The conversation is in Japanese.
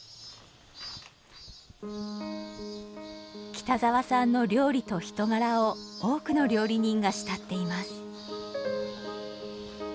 北沢さんの料理と人柄を多くの料理人が慕っています。